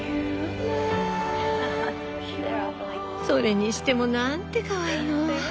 それにしてもなんてかわいいの！